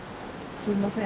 すみません